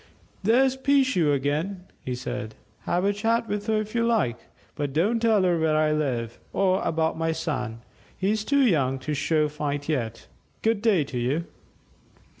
"There's 'Peeshoo' again," he said. "Have a chat with her if you like, but don't tell her where I live, or about my son. He's too young to show fight yet. Good day to you."